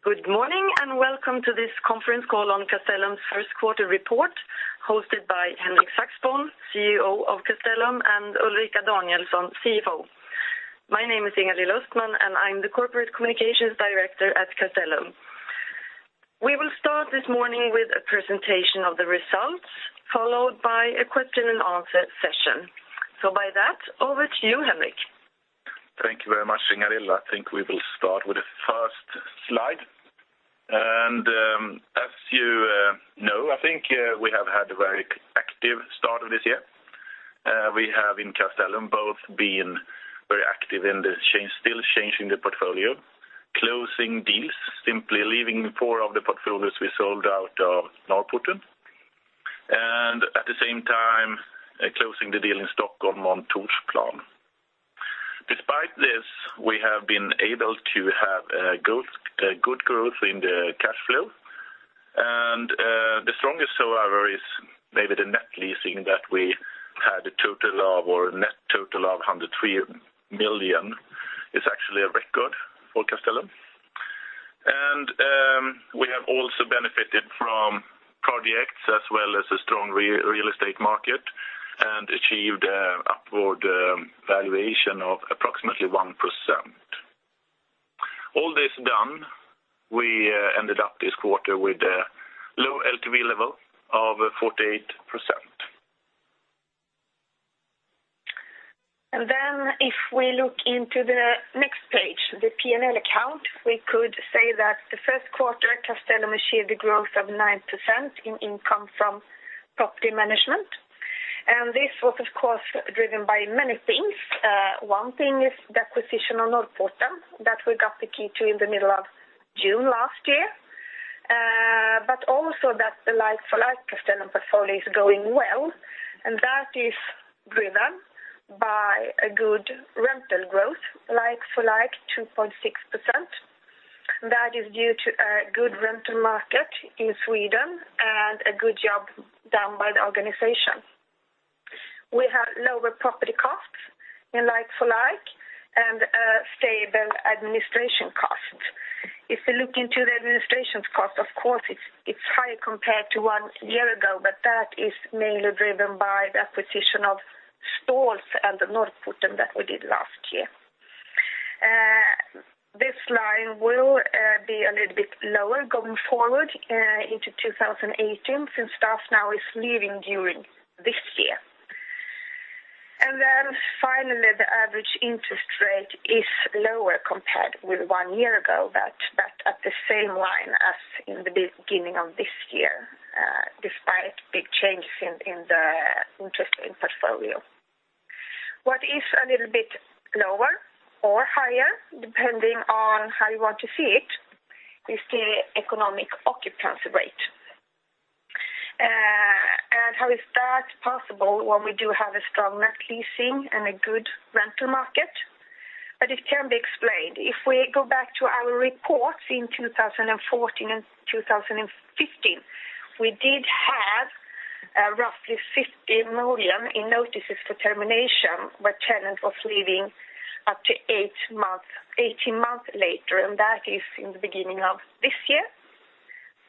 Good morning, and welcome to this conference call on Castellum's first quarter report, hosted by Henrik Saxborn, CEO of Castellum, and Ulrika Danielsson, CFO. My name is Ingalill Östman, and I'm the Corporate Communications Director at Castellum. We will start this morning with a presentation of the results, followed by a question and answer session. So by that, over to you, Henrik. Thank you very much, Ingalill. I think we will start with the first slide. And, as you know, I think, we have had a very active start of this year. We have in Castellum both been very active in changing the portfolio, closing deals, simply leaving four of the portfolios we sold out of Norrporten. And at the same time, closing the deal in Stockholm on Torsplan. Despite this, we have been able to have growth, good growth in the cash flow. And, the strongest so far is maybe the net leasing that we had a total of, or a net total of 103 million, is actually a record for Castellum. And, we have also benefited from projects as well as a strong real estate market, and achieved upward valuation of approximately 1%. All this done, we ended up this quarter with a low LTV level of 48%. And then if we look into the next page, the P&L account, we could say that the first quarter, Castellum achieved a growth of 9% in income from property management. And this was, of course, driven by many things. One thing is the acquisition on Norrporten, that we got the key to in the middle of June last year. But also that the like-for-like Castellum portfolio is going well, and that is driven by a good rental growth, like-for-like, 2.6%. That is due to a good rental market in Sweden, and a good job done by the organization. We have lower property costs in like-for-like, and stable administration costs. If you look into the administration cost, of course, it's high compared to one year ago, but that is mainly driven by the acquisition of stores and the Norrporten that we did last year. This line will be a little bit lower going forward into 2018, since staff now is leaving during this year. And then finally, the average interest rate is lower compared with one year ago, but at the same line as in the beginning of this year, despite big changes in the interest rate portfolio. What is a little bit lower or higher, depending on how you want to see it, is the economic occupancy rate. And how is that possible when we do have a strong net leasing and a good rental market? But it can be explained. If we go back to our reports in 2014 and 2015, we did have roughly 50 million in notices for termination, where tenant was leaving up to eight months, 18 months later, and that is in the beginning of this year.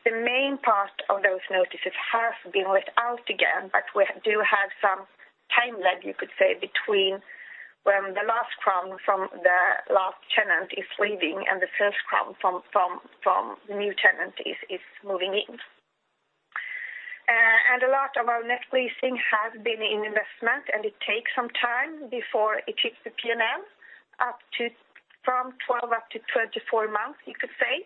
The main part of those notices have been let out again, but we do have some time lag, you could say, between when the last krona from the last tenant is leaving and the first krona from the new tenant is moving in. And a lot of our net leasing has been in investment, and it takes some time before it hits the P&L, up to, from 12 up to 24 months, you could say.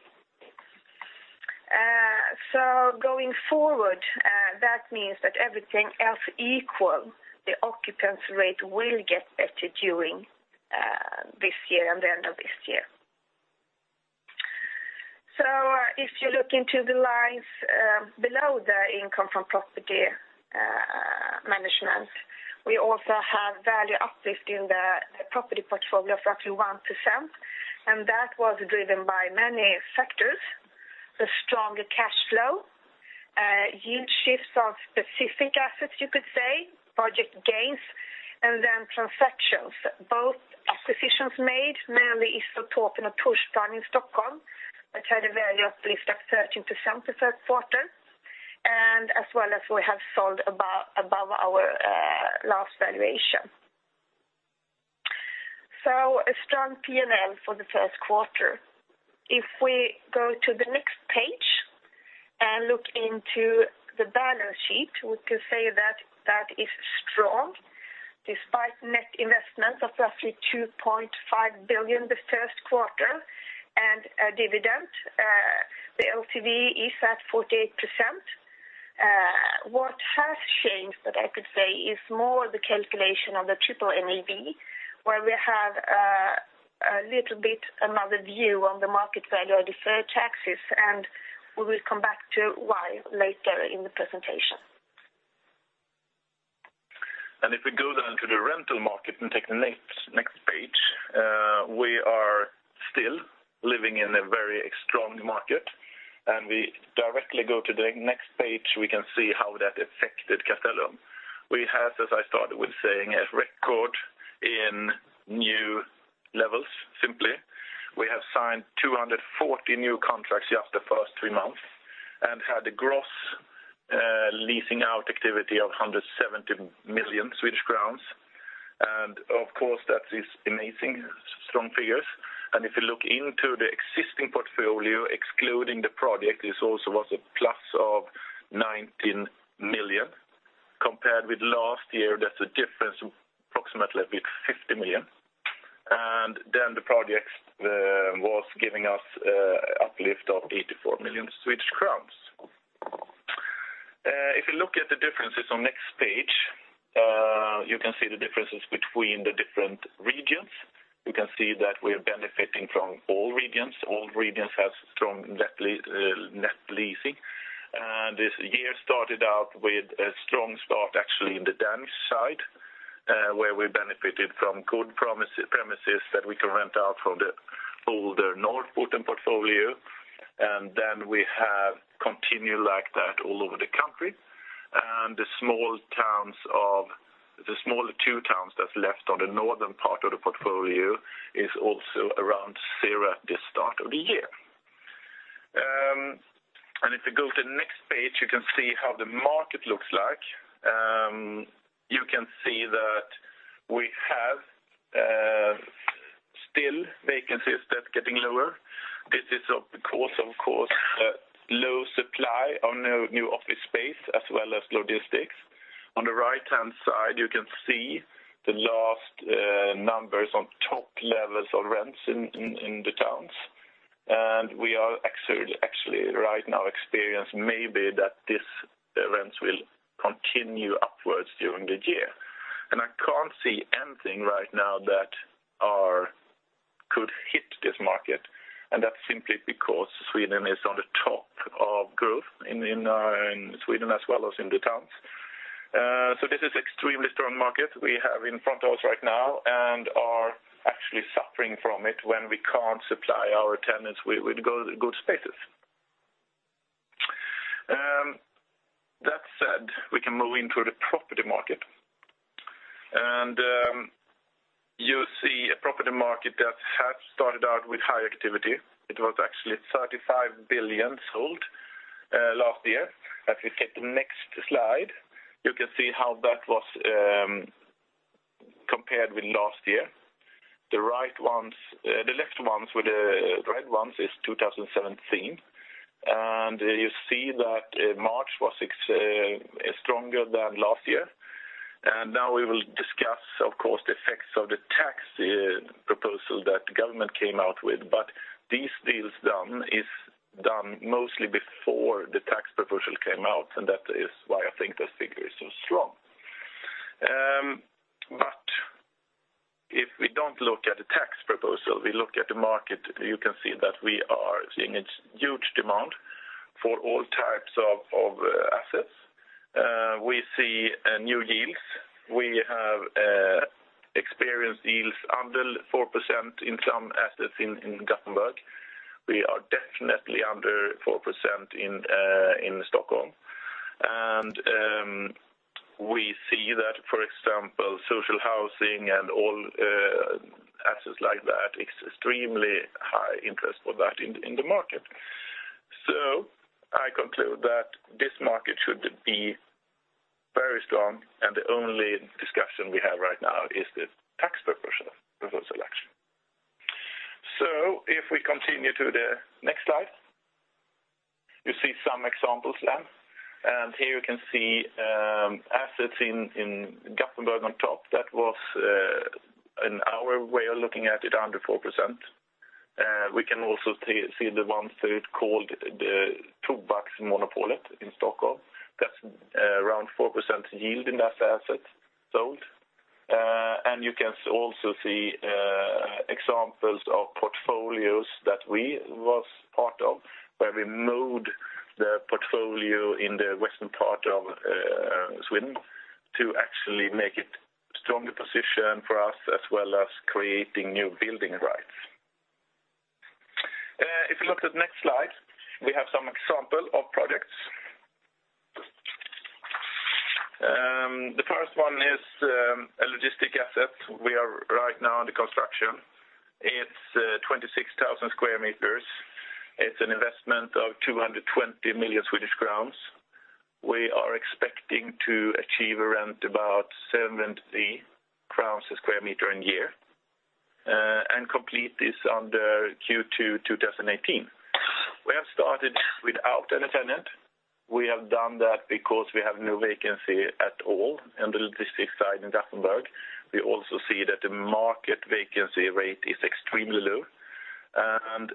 So going forward, that means that everything else equal, the occupancy rate will get better during this year and the end of this year. So if you look into the lines below the income from property management, we also have value uplift in the property portfolio of up to 1%, and that was driven by many factors. The stronger cash flow, yield shifts of specific assets, you could say, project gains, and then transactions, both acquisitions made, mainly the Torsplan in Stockholm, which had a value uplift of 13% the third quarter, and as well as we have sold above, above our last valuation. So a strong P&L for the first quarter. If we go to the next page and look into the balance sheet, we can say that that is strong. Despite net investment of roughly 2.5 billion this first quarter and a dividend, the LTV is at 48%. What has changed, that I could say, is more the calculation of the Triple NAV, where we have, a little bit another view on the market value of deferred taxes, and we will come back to why later in the presentation. If we go then to the rental market and take the next page, we are still living in a very strong market. And we directly go to the next page, we can see how that affected Castellum. We have, as I started with saying, a record in new levels, simply. We have signed 240 new contracts just the first three months, and had a gross leasing out activity of 170 million Swedish crowns. And of course, that is amazing, strong figures. And if you look into the existing portfolio, excluding the project, this also was a plus of 19 million. Compared with last year, that's a difference of approximately 50 million. And then the project was giving us uplift of 84 million Swedish crowns. If you look at the differences on next page, you can see the differences between the different regions. You can see that we are benefiting from all regions. All regions have strong net leasing. And this year started out with a strong start, actually, in the Danish side, where we benefited from good premises that we can rent out from the older Norrporten portfolio. And then we have continued like that all over the country. And the smaller two towns that's left on the northern part of the portfolio is also around zero at the start of the year. And if you go to the next page, you can see how the market looks like. You can see that we have still vacancies that's getting lower. This is, of course, low supply on new office space, as well as logistics. On the right-hand side, you can see the last numbers on top levels of rents in the towns. We are actually right now experience maybe that this rents will continue upwards during the year. I can't see anything right now that could hit this market, and that's simply because Sweden is on the top of growth in Sweden as well as in the towns. So this is extremely strong market we have in front of us right now, and are actually suffering from it when we can't supply our tenants with good spaces. That said, we can move into the property market. You see a property market that had started out with higher activity. It was actually 35 billion sold last year. As you take the next slide, you can see how that was compared with last year. The right ones, the left ones with the red ones is 2017. And you see that March was stronger than last year. And now we will discuss, of course, the effects of the tax proposal that the government came out with. But these deals done is done mostly before the tax proposal came out, and that is why I think this figure is so strong. But if we don't look at the tax proposal, we look at the market, you can see that we are seeing its huge demand for all types of assets. We see new yields. We have experienced yields under 4% in some assets in Gothenburg. We are definitely under 4% in Stockholm. We see that, for example, social housing and all assets like that, extremely high interest for that in the market. I conclude that this market should be very strong, and the only discussion we have right now is the tax proposal, proposal action. If we continue to the next slide, you see some examples then. Here you can see assets in Gothenburg on top. That was in our way of looking at it, under 4%. We can also see the ones that it called the Tobaksmonopolet in Stockholm. That's around 4% yield in that asset sold. You can also see examples of portfolios that we was part of, where we moved the portfolio in the western part of Sweden to actually make it stronger position for us, as well as creating new building rights. If you look at the next slide, we have some example of projects. The first one is a logistic asset. We are right now under construction. It's 26,000 square meters. It's an investment of 220 million Swedish crowns. We are expecting to achieve around about 70 crowns a square meter in a year, and complete this under Q2 2018. We have started without any tenant. We have done that because we have no vacancy at all on the logistic side in Gothenburg. We also see that the market vacancy rate is extremely low, and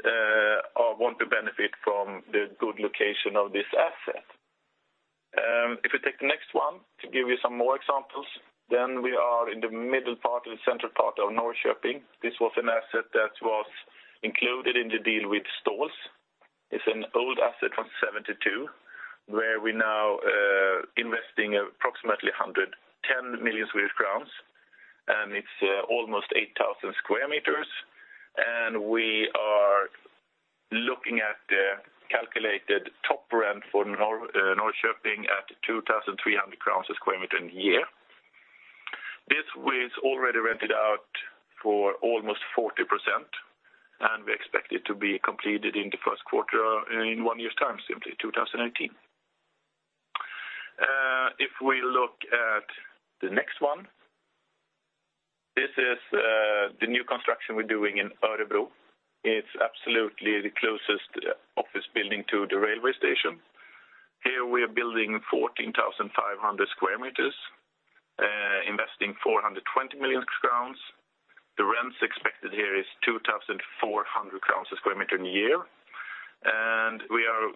want to benefit from the good location of this asset. If you take the next one, to give you some more examples, then we are in the middle part, or the center part of Norrköping. This was an asset that was included in the deal with Ståhl. It's an old asset from 1972, where we're now investing approximately 110 million Swedish crowns and it's almost 8,000 square meters, and we are looking at the calculated top rent for Norrköping at 2,300 kronor a square meter in a year. This is already rented out for almost 40%, and we expect it to be completed in the first quarter in one year's time, simply 2018. If we look at the next one, this is the new construction we're doing in Örebro. It's absolutely the closest office building to the railway station. Here we are building 14,500 square meters, investing 420 million crowns. The rents expected here is 2,400 crowns a square meter in a year, and we are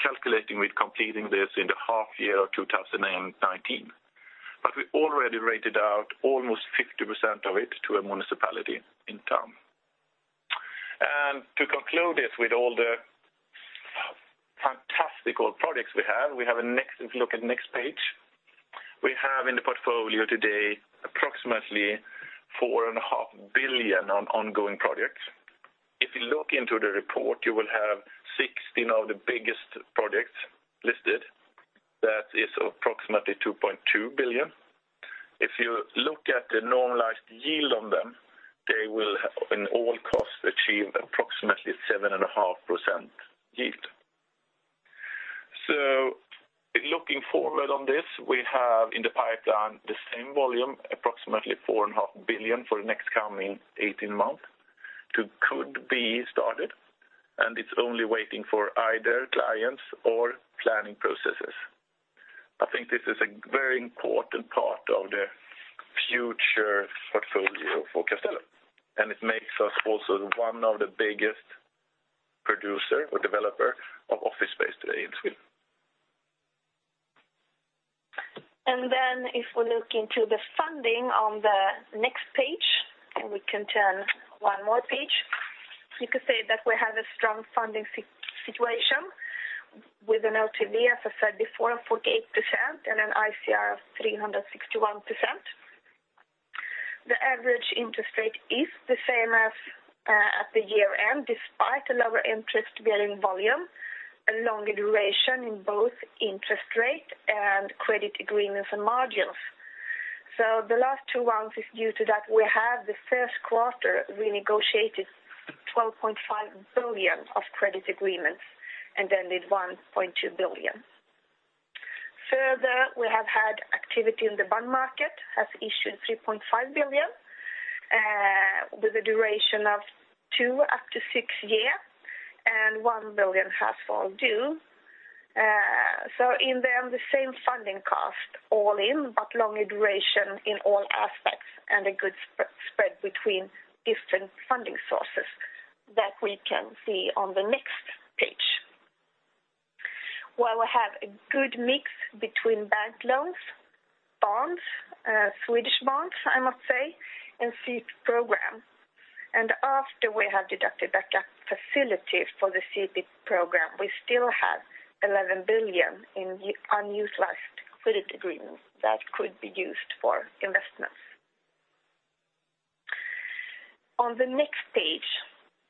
calculating with completing this in the half year of 2019. But we already rented out almost 50% of it to a municipality in town. And to conclude this with all the fantastical projects we have, we have a next – if you look at next page. We have in the portfolio today approximately 4.5 billion on ongoing projects. If you look into the report, you will have 60 of the biggest projects listed. That is approximately 2.2 billion. If you look at the normalized yield on them, they will, in all costs, achieve approximately 7.5% yield. So looking forward on this, we have in the pipeline, the same volume, approximately 4.5 billion for the next coming 18 months, to- could be started, and it's only waiting for either clients or planning processes. I think this is a very important part of the future portfolio for Castellum, and it makes us also one of the biggest producer or developer of office space today in Sweden. Then if we look into the funding on the next page, and we can turn one more page. You could say that we have a strong funding situation with an LTV, as I said before, of 48% and an ICR of 361%. The average interest rate is the same as at the year-end, despite a lower interest bearing volume, a longer duration in both interest rate and credit agreements and margins. So the last two months is due to that we have the first quarter, we negotiated 12.5 billion of credit agreements, and ended 1.2 billion. Further, we have had activity in the bond market, has issued 3.5 billion, with a duration of 2-6 years, and 1 billion has fallen due. So in the end, the same funding cost all in, but longer duration in all aspects, and a good spread between different funding sources that we can see on the next page. While we have a good mix between bank loans, bonds, Swedish bonds, I must say, and CP program. After we have deducted that gap facility for the CP program, we still have 11 billion in unutilized credit agreements that could be used for investments. On the next page,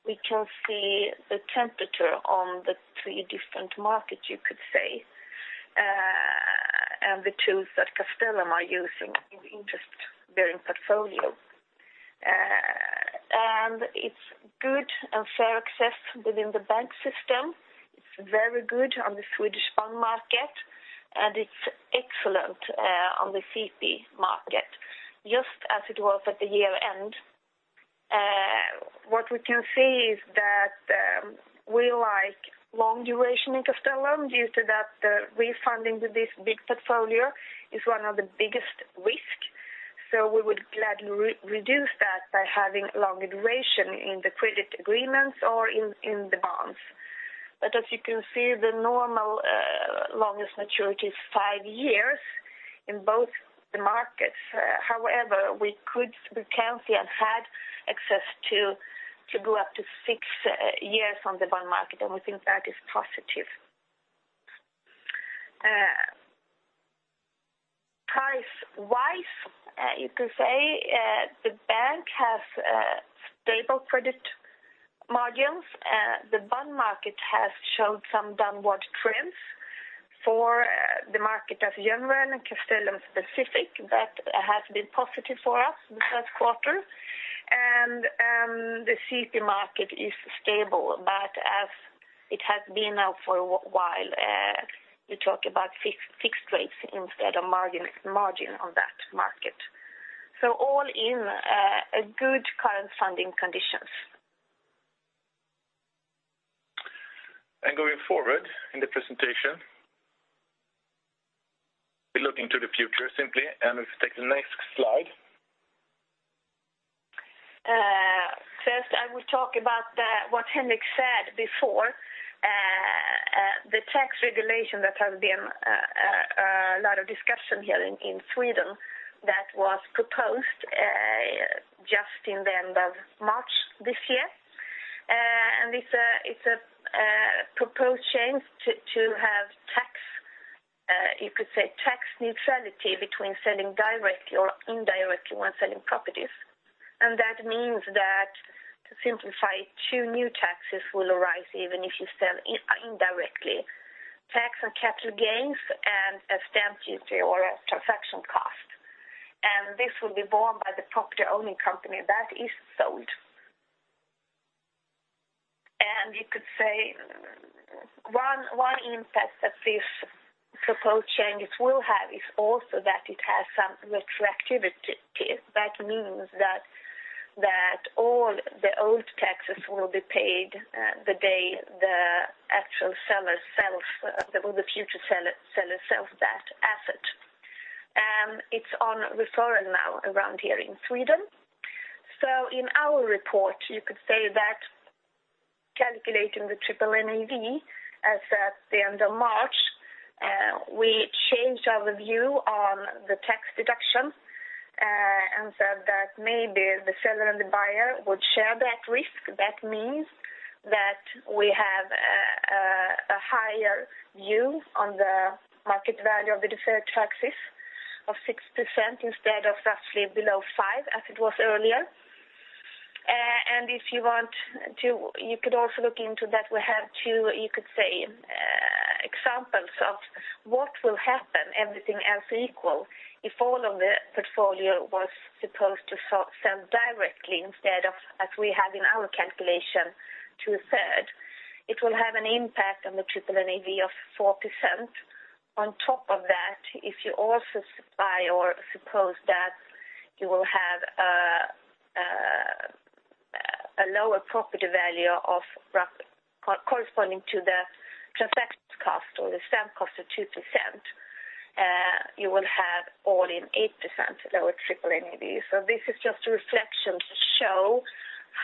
we can see the temperature on the three different markets, you could say, and the tools that Castellum are using in the interest-bearing portfolio. It's good and fair access within the bank system. It's very good on the Swedish bond market, and it's excellent on the CP market, just as it was at the year-end. What we can see is that we like long duration in Castellum due to that refunding with this big portfolio is one of the biggest risk. So we would gladly reduce that by having longer duration in the credit agreements or in the bonds. But as you can see, the normal longest maturity is five years in both the markets. However, we can see and had access to go up to six years on the bond market, and we think that is positive. Price-wise, you could say the bank has stable credit margins, the bond market has showed some downward trends for the market in general and Castellum specific, that has been positive for us in the first quarter. The CP market is stable, but as it has been now for a while, you talk about fixed rates instead of margin, margin on that market. So all in, a good current funding conditions. Going forward in the presentation, we're looking to the future, simply, and if you take the next slide. First, I will talk about what Henrik said before. The tax regulation that has been a lot of discussion here in Sweden that was proposed just in the end of March this year. And it's a proposed change to have, you could say, tax neutrality between selling directly or indirectly when selling properties. And that means that to simplify, two new taxes will arise even if you sell indirectly. Tax on capital gains and a stamp duty or a transaction cost, and this will be borne by the property-owning company that is sold. And you could say, one impact that this proposed changes will have is also that it has some retroactivity. That means that, that all the old taxes will be paid, the day the actual seller sells, or the future seller, seller sells that asset. It's on referral now around here in Sweden. So in our report, you could say that calculating the Triple NAV as at the end of March, we changed our view on the tax deduction, and said that maybe the seller and the buyer would share that risk. That means that we have, a higher view on the market value of the deferred taxes of 6% instead of roughly below 5%, as it was earlier. And if you want to, you could also look into that. We have two, you could say, examples of what will happen, everything else equal, if all of the portfolio was supposed to sell directly instead of as we have in our calculation, two-thirds. It will have an impact on the triple NAV of 4%. On top of that, if you also buy or suppose that you will have a lower property value roughly corresponding to the transaction cost or the stamp cost of 2%, you will have all in 8% lower triple NAV. So this is just a reflection to show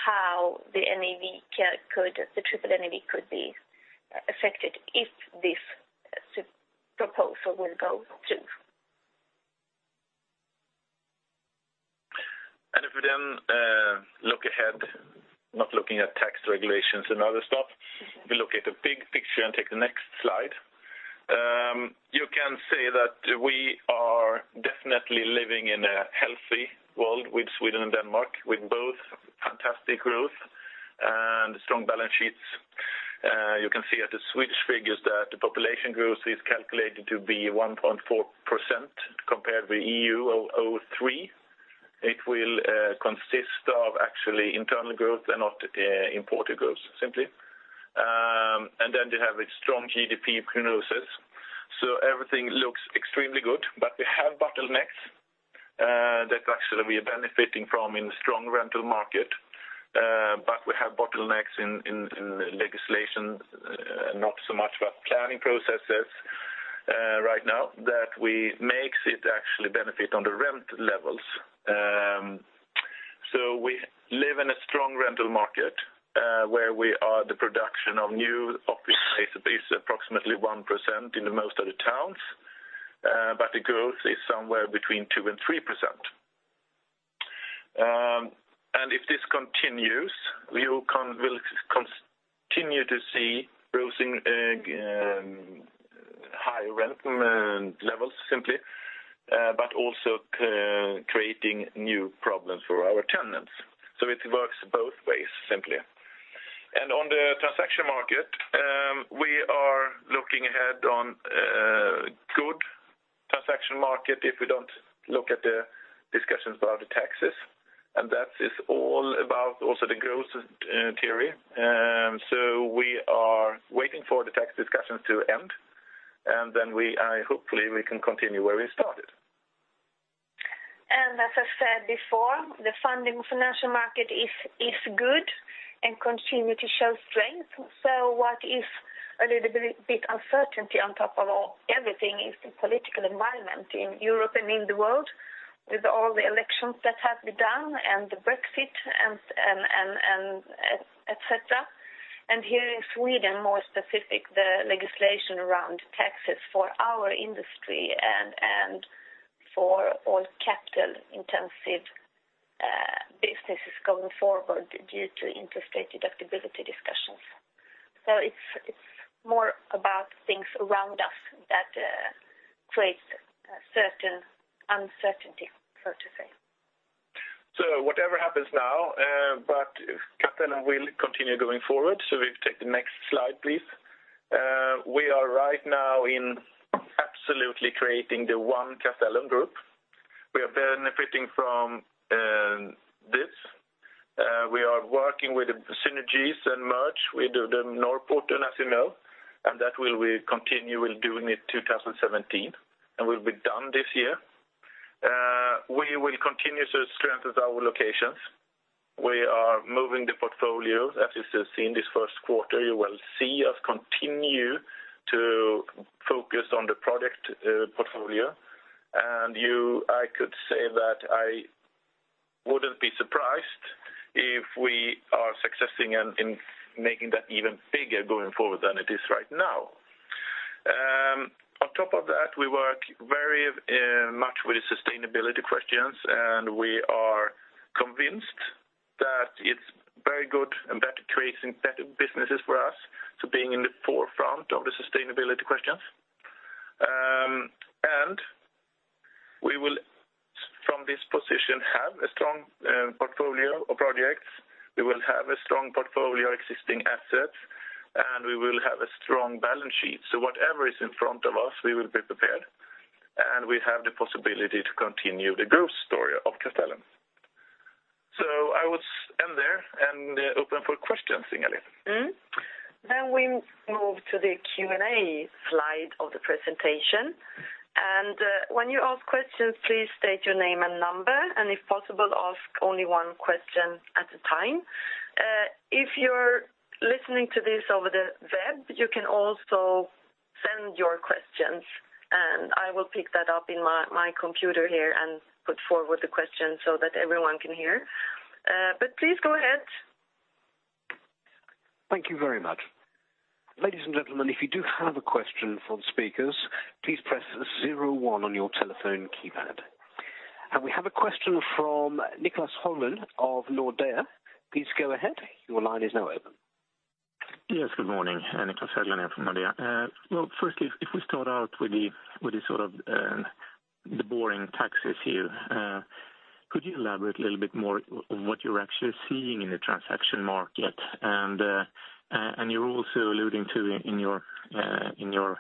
how the NAV could, the triple NAV could be affected if this such proposal will go through. If we then look ahead, not looking at tax regulations and other stuff, we look at the big picture and take the next slide. You can say that we are definitely living in a healthy world with Sweden and Denmark, with both fantastic growth and strong balance sheets. You can see at the Swedish figures that the population growth is calculated to be 1.4% compared with EU of 0.3. It will consist of actually internal growth and not imported growth, simply. Then they have a strong GDP prognosis. So everything looks extremely good, but we have bottlenecks that actually we are benefiting from in the strong rental market. But we have bottlenecks in legislation, not so much about planning processes, right now, that we makes it actually benefit on the rent levels. So we live in a strong rental market, where we are the production of new office space is approximately 1% in most of the towns, but the growth is somewhere between 2% and 3%. And if this continues, we will continue to see rising higher rent levels, simply, but also creating new problems for our tenants. So it works both ways, simply. On the transaction market, we are looking ahead on good transaction market if we don't look at the discussions about the taxes, and that is all about also the growth theory. So we are waiting for the tax discussions to end, and then hopefully, we can continue where we started. And as I said before, the funding financial market is good and continue to show strength. So what is a little bit uncertainty on top of all everything is the political environment in Europe and in the world, with all the elections that have been done and the Brexit and et cetera. And here in Sweden, more specific, the legislation around taxes for our industry and for all capital-intensive businesses going forward due to interest rate deductibility discussions. So it's more about things around us that create a certain uncertainty, so to say. Whatever happens now, Castellum will continue going forward. If we take the next slide, please. We are right now absolutely creating the one Castellum group. We are benefiting from this. We are working with the synergies and merger with the Norrporten, as you know, and that we will continue doing in 2017, and it will be done this year. We will continue to strengthen our locations. We are moving the portfolio, as you have seen this first quarter. You will see us continue to focus on the product portfolio. I could say that I wouldn't be surprised if we are succeeding in making that even bigger going forward than it is right now. On top of that, we work very much with the sustainability questions, and we are convinced-... businesses for us, so being in the forefront of the sustainability questions. And we will, from this position, have a strong portfolio of projects. We will have a strong portfolio of existing assets, and we will have a strong balance sheet. So whatever is in front of us, we will be prepared, and we have the possibility to continue the growth story of Castellum. So I will end there and open for questions, Ingalill. Mm-hmm. Then we move to the Q&A slide of the presentation. And, when you ask questions, please state your name and number, and if possible, ask only one question at a time. If you're listening to this over the web, you can also send your questions, and I will pick that up in my computer here and put forward the question so that everyone can hear. But please go ahead. Thank you very much. Ladies and gentlemen, if you do have a question for the speakers, please press zero-one on your telephone keypad. We have a question from Niclas Höglund of Nordea. Please go ahead. Your line is now open. Yes, good morning. Niclas Höglund from Nordea. Well, firstly, if we start out with the, with the sort of, the boring tax issue, could you elaborate a little bit more on what you're actually seeing in the transaction market? And, you're also alluding to in your, in your,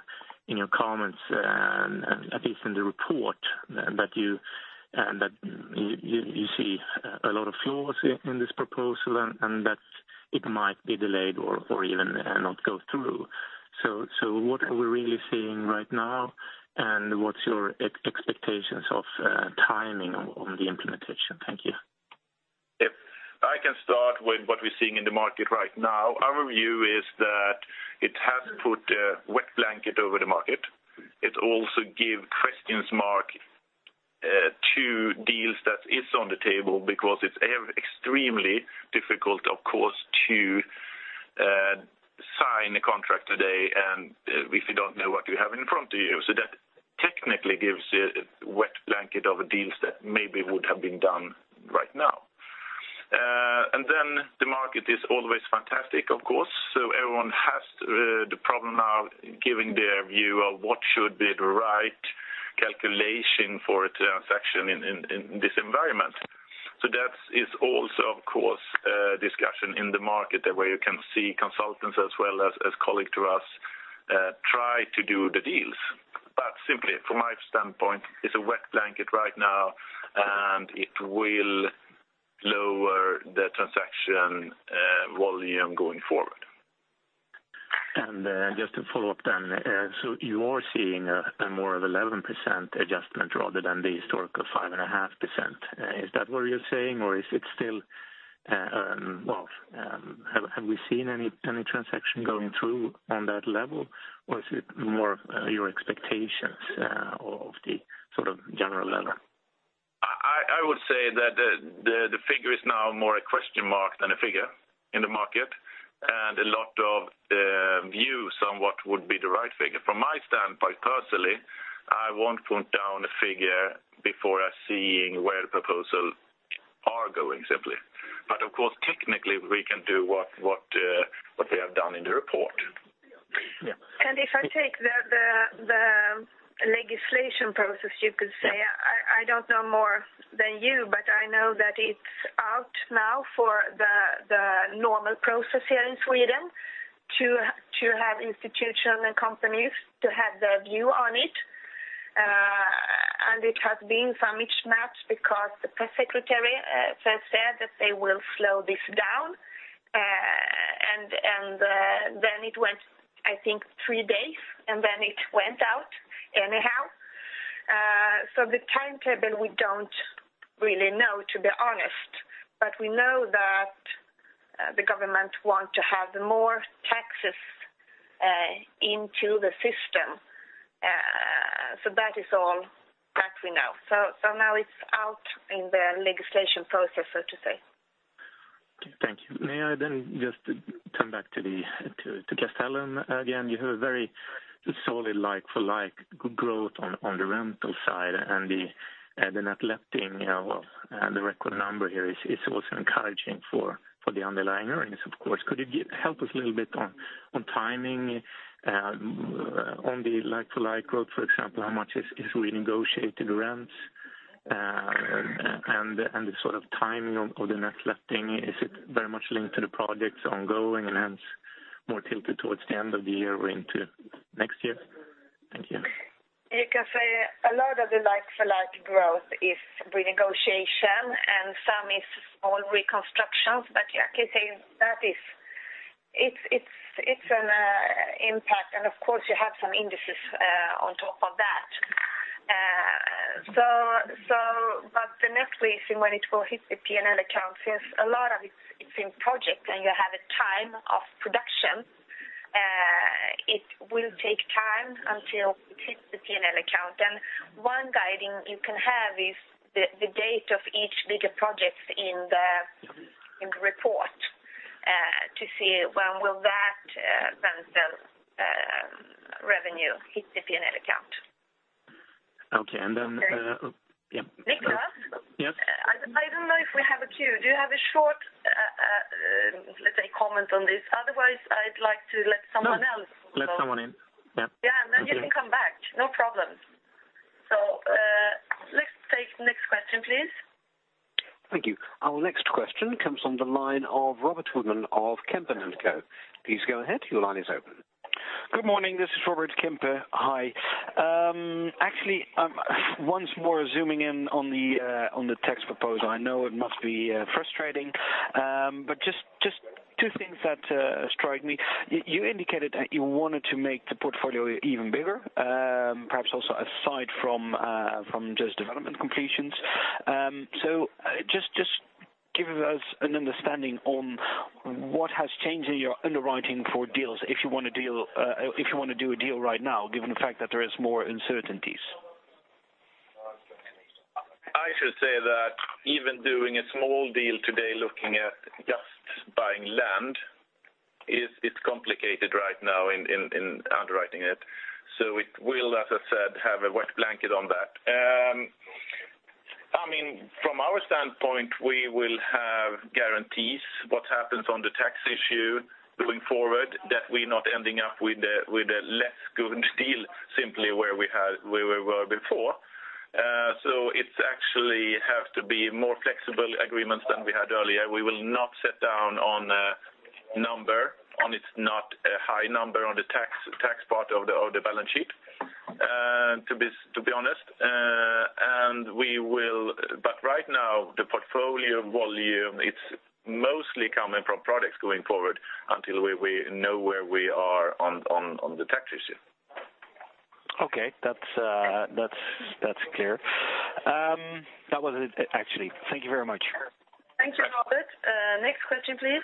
in your comments, at least in the report, that you, that you, you see a lot of flaws in, in this proposal, and, that it might be delayed or, or even, not go through. So, what are we really seeing right now, and what's your expectations of, timing on, the implementation? Thank you. If I can start with what we're seeing in the market right now, our view is that it has put a wet blanket over the market. It also give questions mark to deals that is on the table because it's extremely difficult, of course, to sign a contract today and if you don't know what you have in front of you. So that technically gives a wet blanket over deals that maybe would have been done right now. And then the market is always fantastic, of course, so everyone has the problem now giving their view of what should be the right calculation for a transaction in this environment. So that is also, of course, a discussion in the market, where you can see consultants as well as colleague to us try to do the deals. Simply, from my standpoint, it's a wet blanket right now, and it will lower the transaction volume going forward. Just to follow up then, so you are seeing a more of 11% adjustment rather than the historical 5.5%. Is that what you're saying, or is it still... Well, have we seen any transaction going through on that level, or is it more of your expectations of the sort of general level? I would say that the figure is now more a question mark than a figure in the market, and a lot of views on what would be the right figure. From my standpoint, personally, I won't put down a figure before I seeing where the proposal are going, simply. But of course, technically, we can do what we have done in the report. If I take the legislation process, you could say, I don't know more than you, but I know that it's out now for the normal process here in Sweden to have institutional companies to have their view on it. And it has been some mismatch because the press secretary has said that they will slow this down. And then it went, I think, three days, and then it went out anyhow. So the timetable, we don't really know, to be honest, but we know that the government want to have more taxes into the system. So that is all that we know. So now it's out in the legislation process, so to say. Thank you. May I then just come back to the Castellum again? You have a very solid like-for-like growth on the rental side, and the net letting, well, and the record number here is also encouraging for the underlying earnings, of course. Could you give help us a little bit on timing on the like-for-like growth, for example, how much is renegotiated rents, and the sort of timing of the net letting? Is it very much linked to the projects ongoing and hence more tilted towards the end of the year or into next year? Thank you. You can say a lot of the like-for-like growth is renegotiation, and some is all reconstructions. But yeah, I can say that is, it's an impact, and of course, you have some indices on top of that. So but the next leasing, when it will hit the P&L account, since a lot of it's in project and you have a time of production, it will take time until it hits the P&L account. And one guiding you can have is the date of each bigger projects in the report to see when will that then sell.... hit the P&L account. Okay, and then, yeah... Niclas? Yes. I don't know if we have a queue. Do you have a short, let's say, comment on this? Otherwise, I'd like to let someone else- No, let someone in. Yeah. Yeah, and then you can come back. No problem. So, let's take next question, please. Thank you. Our next question comes from the line of Robert Woerdman of Kempen & Co. Please go ahead, your line is open. Good morning. This is Robert, Kempen. Hi. Actually, once more zooming in on the tax proposal, I know it must be frustrating, but just, just two things that strike me. You indicated that you wanted to make the portfolio even bigger, perhaps also aside from just development completions. So, just, just give us an understanding on what has changed in your underwriting for deals, if you want a deal... if you want to do a deal right now, given the fact that there is more uncertainties. I should say that even doing a small deal today, looking at just buying land, is. It's complicated right now in underwriting it. So we will, as I said, have a wet blanket on that. I mean, from our standpoint, we will have guarantees what happens on the tax issue going forward, that we're not ending up with a less good deal simply where we had where we were before. So it's actually have to be more flexible agreements than we had earlier. We will not sit down on a number. On it's not a high number on the tax part of the balance sheet, to be honest. And we will... But right now, the portfolio volume, it's mostly coming from products going forward until we know where we are on the tax issue. Okay. That's, that's clear. That was it, actually. Thank you very much. Thank you, Robert. Next question, please.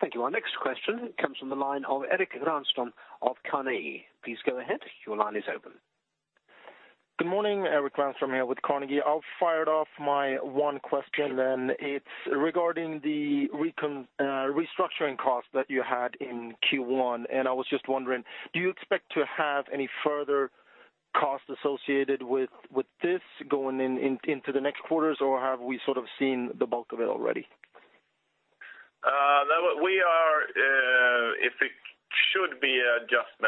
Thank you. Our next question comes from the line of Erik Granström of Carnegie. Please go ahead, your line is open. Good morning, Erik Granström here with Carnegie. I'll fire off my one question, then. It's regarding the recent restructuring cost that you had in Q1, and I was just wondering, do you expect to have any further costs associated with, with this going in, in, into the next quarters, or have we sort of seen the bulk of it already? No, we are, if it should be an adjustment,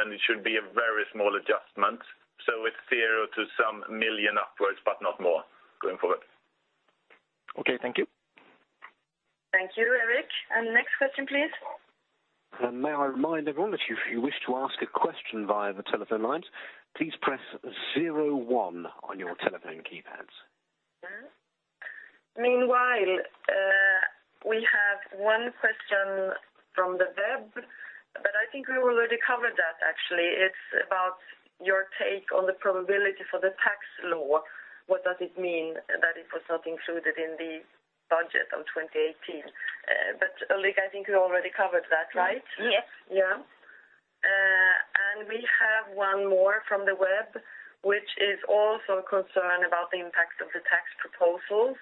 it should be a very small adjustment, so it's 0 to some million upwards, but not more going forward. Okay, thank you. Thank you, Erik. Next question, please. May I remind everyone that if you wish to ask a question via the telephone lines, please press zero-one on your telephone keypads. Meanwhile, we have one question from the web, but I think we already covered that, actually. It's about your take on the probability for the tax law. What does it mean that it was not included in the budget of 2018? But Ulrika, I think you already covered that, right? Yes. Yeah. And we have one more from the web, which is also concerned about the impact of the tax proposals.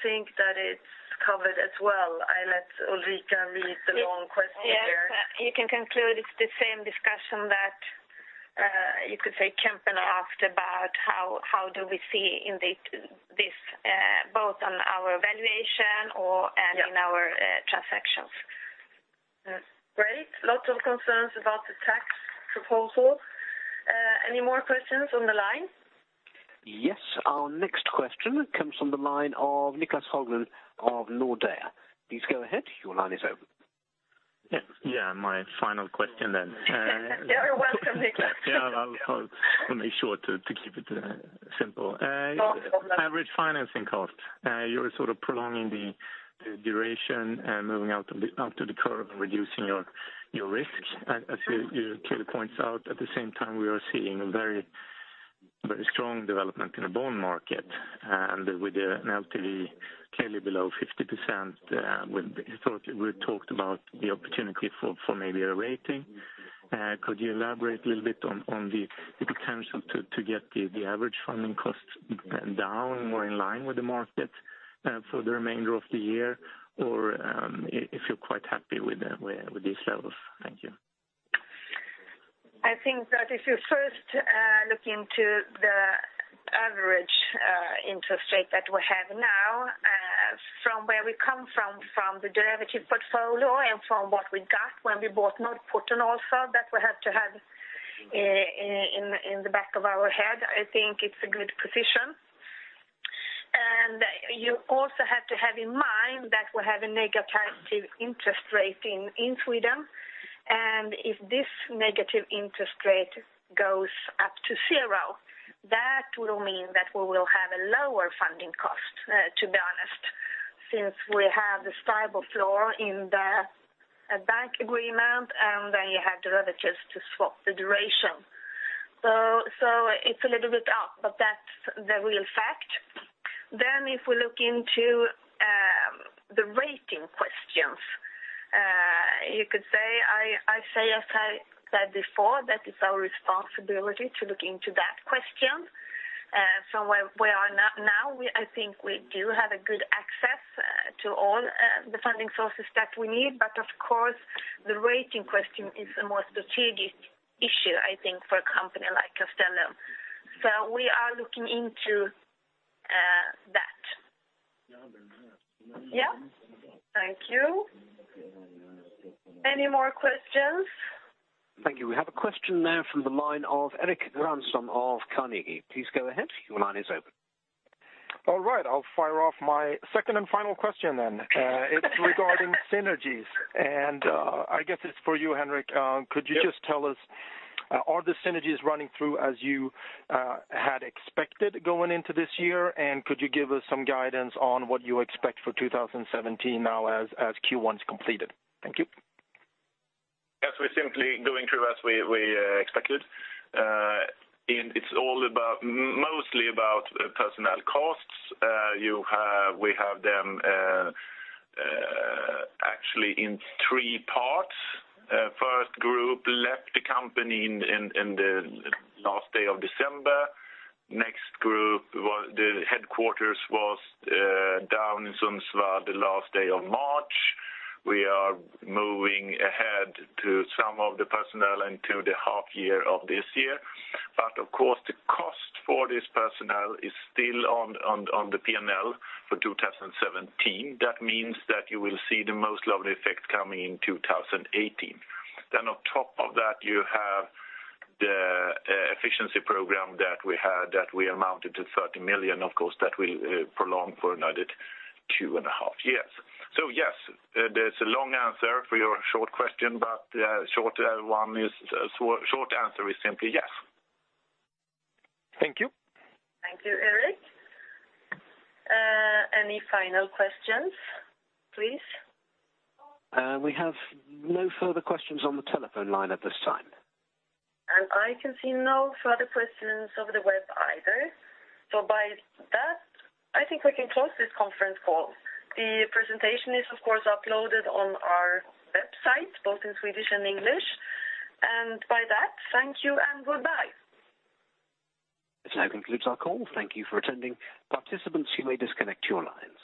I think that it's covered as well. I let Ulrika read the long question there. Yes, you can conclude it's the same discussion that, you could say Kempen asked about how, how do we see in this, both on our valuation or, and in our, transactions. That's great. Lots of concerns about the tax proposal. Any more questions on the line? Yes. Our next question comes from the line of Niclas Höglund of Nordea. Please go ahead, your line is open. Yeah. Yeah, my final question then. You're welcome, Niclas. Yeah, I'll, I'll make sure to, to keep it simple. Average financing cost. You're sort of prolonging the, the duration and moving out of the, out to the curve and reducing your, your risk, as you clearly points out. At the same time, we are seeing a very, very strong development in the bond market, and with the LTV clearly below 50%, we thought, we talked about the opportunity for, for maybe a rating. Could you elaborate a little bit on, on the, the potential to, to get the, the average funding costs down, more in line with the market, for the remainder of the year, or, if you're quite happy with the, with, with these levels? Thank you. I think that if you first look into the average interest rate that we have now from where we come from, from the derivative portfolio and from what we got when we bought Norrporten also, that we have to have in the back of our head, I think it's a good position. And you also have to have in mind that we have a negative interest rate in Sweden, and if this negative interest rate goes up to zero, that will mean that we will have a lower funding cost to be honest, since we have a stable floor in the bank agreement, and then you have derivatives to swap the duration. So it's a little bit up, but that's the real fact. Then if we look into the rating question... You could say, as I said before, that it's our responsibility to look into that question. So where we are now, I think we do have a good access to all the funding sources that we need. But of course, the rating question is a more strategic issue, I think, for a company like Castellum. So we are looking into that. Yeah? Thank you. Any more questions? Thank you. We have a question now from the line of Eric Granström of Carnegie. Please go ahead. Your line is open. All right, I'll fire off my second and final question then. It's regarding synergies, and I guess it's for you, Henrik. Could you just tell us are the synergies running through as you had expected going into this year? And could you give us some guidance on what you expect for 2017 now as Q1 is completed? Thank you. Yes, we're simply going through as we expected. And it's all about, mostly about personnel costs. We have them, actually in three parts. First group left the company in the last day of December. Next group was, the headquarters was, down in Sundsvall the last day of March. We are moving ahead to some of the personnel into the half year of this year. But of course, the cost for this personnel is still on the P&L for 2017. That means that you will see the most lovely effect coming in 2018. Then on top of that, you have the efficiency program that we had, that we amounted to 30 million, of course, that will prolong for another two and a half years. So yes, there's a long answer for your short question, but, short, one is, short answer is simply yes. Thank you. Thank you, Erik. Any final questions, please? We have no further questions on the telephone line at this time. I can see no further questions over the web either. So by that, I think we can close this conference call. The presentation is, of course, uploaded on our website, both in Swedish and English. By that, thank you and goodbye. This now concludes our call. Thank you for attending. Participants, you may disconnect your lines.